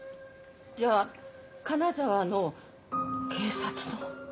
じゃあ金沢の警察の？